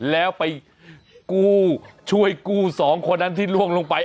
แล้วไปกู้ช่วยกู้สองคนนั้นที่ล่วงลงไป